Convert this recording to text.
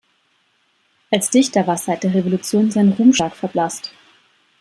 Als Dichter war seit der Revolution sein Ruhm stark verblasst.